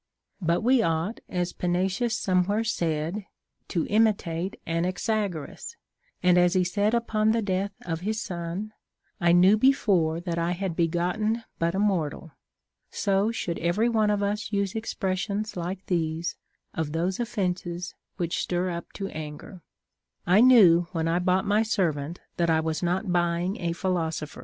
But we ought, as Panaetius somewhere said, to imitate Anaxagoras ; and as he said upon the death of his son, I knew before that I had begotten but a mortal, so should every one of us use expressions like these of those offences which stir up to anger : I knew, when I bought mv servant, that I was not baying a philosoph